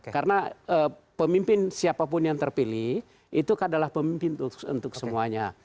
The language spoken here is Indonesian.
karena pemimpin siapapun yang terpilih itu adalah pemimpin untuk semuanya